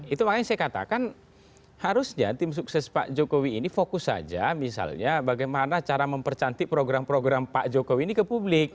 itu makanya saya katakan harusnya tim sukses pak jokowi ini fokus saja misalnya bagaimana cara mempercantik program program pak jokowi ini ke publik